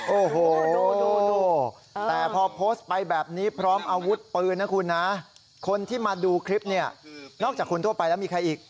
โอ้โหดูแต่พอโพสต์ไปแบบนี้พร้อมอาวุธปืนนะคุณนะคนที่มาดูคลิปเนี่ยนอกจากคนทั่วไปแล้วมีใครอีก